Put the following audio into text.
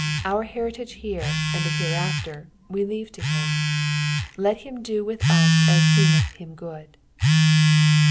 Our heritage here and hereafter nc leave to him, let him do with us as seemelh him good.